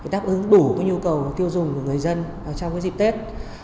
đáp ứng đủ nhu cầu tiêu dùng của người dân trong dịp tết